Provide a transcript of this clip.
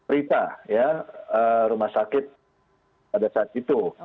rita ya rumah sakit pada saat itu